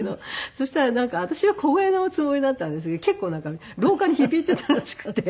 そしたらなんか私は小声のつもりだったんですけど結構廊下に響いていたらしくて。